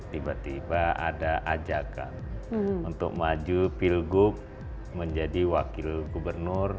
tiba tiba ada ajakan untuk maju pilgub menjadi wakil gubernur